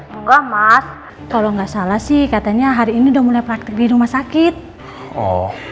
ya enggak mas kalau enggak salah sih katanya hari ini udah mulai praktik di rumah sakit oh